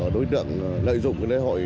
đối tượng lợi dụng lễ hội